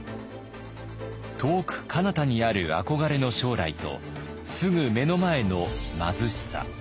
遠くかなたにある憧れの将来とすぐ目の前の貧しさ。